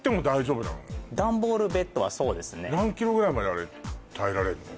ダンボールベッドはそうですね何キロぐらいまであれ耐えられるの？